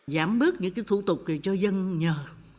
giảm bước những thủ tục này cho dân nhờ